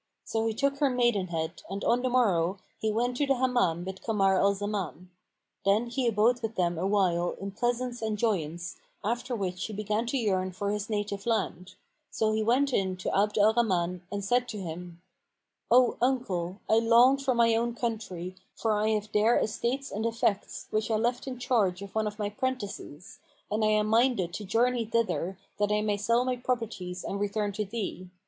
So he took her maidenhead and on the morrow, he went to the Hammam with Kamar al Zaman. Then he abode with them awhile in pleasance and joyance, after which he began to yearn for his native land; so he went in to Abd al Rahman and said to him, "O uncle, I long for my own country, for I have there estates and effects, which I left in charge of one of my prentices; and I am minded to journey thither that I may sell my properties and return to thee.